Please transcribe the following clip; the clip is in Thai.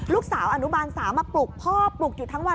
อนุบาล๓มาปลุกพ่อปลุกอยู่ทั้งวัน